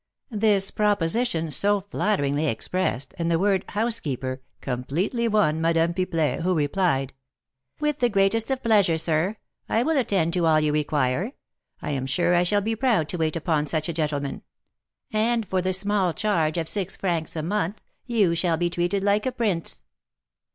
This proposition, so flatteringly expressed, and the word "housekeeper" completely won Madame Pipelet, who replied: "With the greatest of pleasure, sir, I will attend to all you require. I am sure I shall be proud to wait upon such a gentleman; and, for the small charge of six francs a month, you shall be treated like a prince."